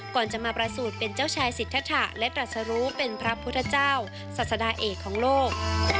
ก่อนจะมาประสูจน์เป็นเจ้าชายสิทธะและตรัสรู้เป็นพระพุทธเจ้าศาสดาเอกของโลก